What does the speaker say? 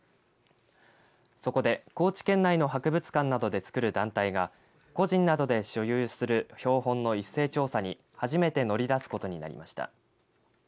そこで、高知県内の博物館などでつくる団体が個人などで所有する標本の一斉調査に初めて乗り出すことになりました。